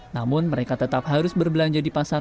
namun mereka tetap harus berbelanja di pasar